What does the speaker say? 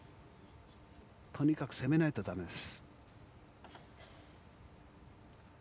とにかく攻めないとだめです。